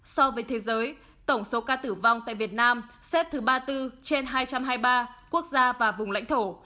so với thế giới tổng số ca tử vong tại việt nam xếp thứ ba mươi bốn trên hai trăm hai mươi ba quốc gia và vùng lãnh thổ